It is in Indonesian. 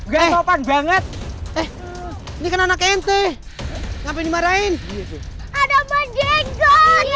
gantopan banget eh ini kan anak ente ngapain dimarahin ada pendengar ya